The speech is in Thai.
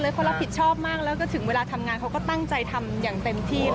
เขารับผิดชอบมากแล้วก็ถึงเวลาทำงานเขาก็ตั้งใจทำอย่างเต็มที่